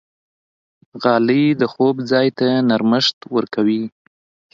غالۍ د خوب ځای ته نرمښت ورکوي.